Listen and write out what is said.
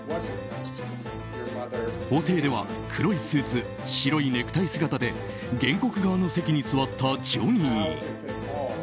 法廷では、黒いスーツ白いネクタイ姿で原告側の席に座ったジョニー。